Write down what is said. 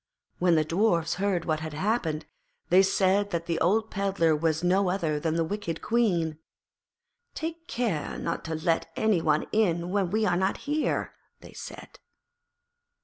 When the Dwarfs heard what had happened, they said that the old Pedlar was no other than the wicked Queen. 'Take care not to let any one in when we are not here,' they said.